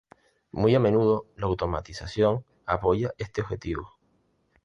Muy a menudo, la automatización apoya este objetivo.